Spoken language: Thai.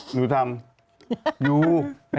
หนูไป